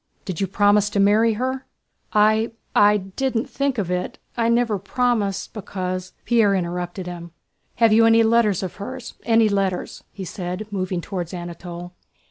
"Did you promise to marry her?" "I... I didn't think of it. I never promised, because..." Pierre interrupted him. "Have you any letters of hers? Any letters?" he said, moving toward Anatole.